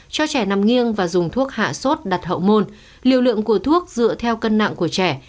cho trẻ nằm nghiêng và dùng thuốc hạ sốt đặt hậu môn liều lượng của thuốc dựa theo cân nặng của trẻ